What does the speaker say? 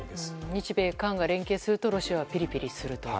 日米韓が連携するとロシアはピリピリすると。